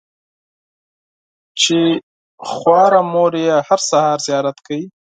چې خواره مور یې هره سهار زیارت کوي.